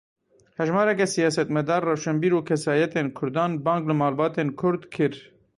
Hejmareke siyasetmedar, rewşenbîr û kesayetên kurdan bang li malbatên kurd kir.